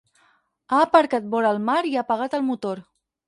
Ha aparcat vora el mar i ha apagat el motor.